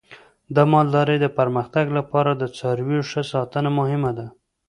د مالدارۍ د پرمختګ لپاره د څارویو ښه ساتنه مهمه ده.